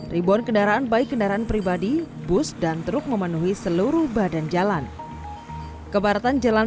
ribuan kendaraan baik kendaraan pribadi bus dan truk memenuhi seluruh badan jalan kebaratan jalan